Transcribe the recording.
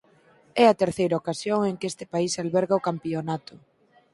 É a terceira ocasión en que este país alberga o campionato.